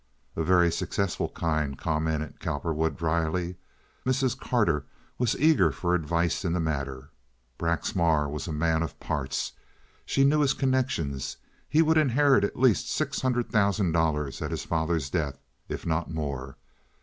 "A very successful kind," commented Cowperwood, dryly. Mrs. Carter was eager for advice in the matter. Braxmar was a man of parts. She knew his connections. He would inherit at least six hundred thousand dollars at his father's death, if not more.